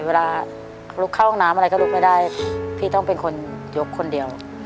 เวลาลุกเข้าห้องน้ำอะไรก็ลุกไม่ได้พี่ต้องเป็นคนยกคนเดียว